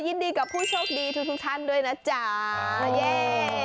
ยินดีกับผู้โชคดีทุกท่านด้วยนะจ๊ะมาเย่